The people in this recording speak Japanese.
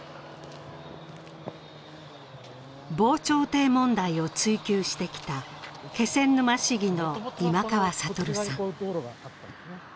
防潮堤問題を追及してきた気仙沼市議の今川悟さん。